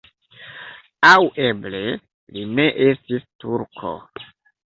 Aŭ eble li ne estis turko.